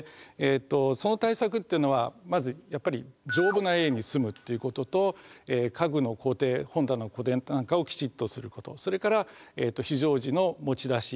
その対策っていうのはまずやっぱり丈夫な家に住むということと家具の固定本棚の固定なんかをきちっとすることそれから非常時の持ち出し。